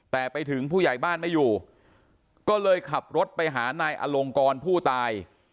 แต่ไปถึงผู้ใหญ่บ้านไม่อยู่ก็เลยขับรถไปหานายอลงกรผู้ตาย